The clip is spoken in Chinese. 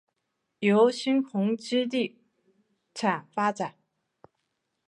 由新鸿基地产发展。